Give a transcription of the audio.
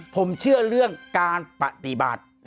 ผมเชื่อเรื่องการปฏิบัติ